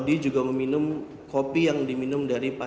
setelah menangani mirna